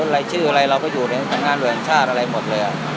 แล้วชื่ออะไรเราก็อยู่ในการงานโรยงชาติอะไรหมดเลยอ่ะ